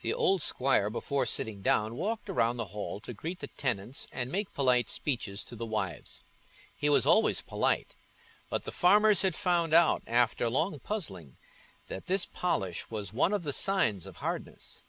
The old squire, before sitting down, walked round the hall to greet the tenants and make polite speeches to the wives: he was always polite; but the farmers had found out, after long puzzling, that this polish was one of the signs of hardness.